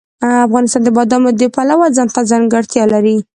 افغانستان د بادام د پلوه ځانته ځانګړتیا لري.